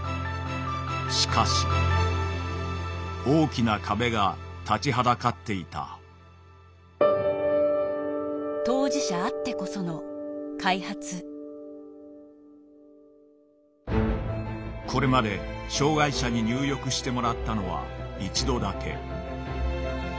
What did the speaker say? しかし大きな壁が立ちはだかっていたこれまで障害者に入浴してもらったのは一度だけ。